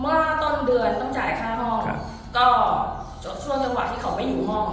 เมื่อต้นเดือนต้องจ่ายค่าห้องก็จบช่วงจังหวะที่เขาไปอยู่ห้อง